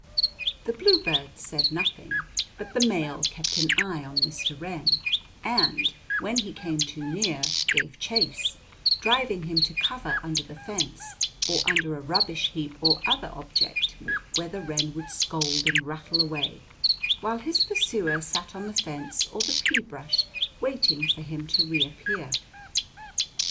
The bluebirds said nothing, but the male kept an eye on Mr. Wren, and, when he came too near, gave chase, driving him to cover under the fence, or under a rubbish heap or other object, where the wren would scold and rattle away, while his pursuer sat on the fence or the pea brush waiting for him to reappear.